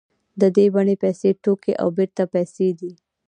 د دې بڼه پیسې توکي او بېرته پیسې دي